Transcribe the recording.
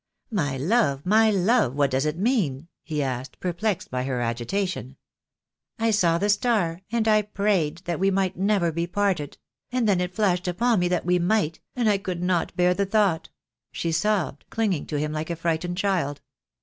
"My love, my love, what does it mean?" he asked, perplexed by her agitation. "I saw the star, and I prayed that we might never be parted; and then it flashed upon me that we might, and I could not bear the thought," she sobbed, clinging to him like a frightened child.